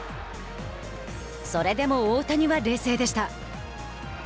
それでも大谷は冷静でした。